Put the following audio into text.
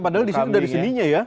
padahal di sini dari seninya ya